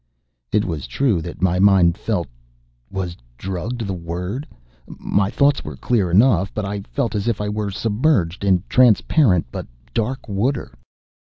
It was true that my mind felt was drugged the word? My thoughts were clear enough, but I felt as if I were submerged in transparent but dark water.